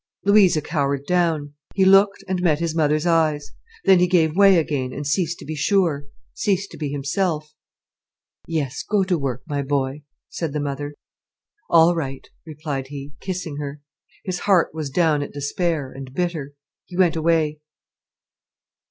Louisa cowered down. He looked, and met his mother's eyes. Then he gave way again, and ceased to be sure, ceased to be himself. "Yes, go to work, my boy," said the mother. "All right," replied he, kissing her. His heart was down at despair, and bitter. He went away.